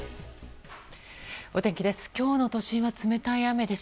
お天気です。